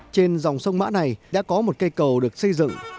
trên dòng sông mã này đã có một cây cầu được xây dựng